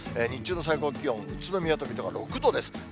日中の最高気温、宇都宮と水戸が６度です。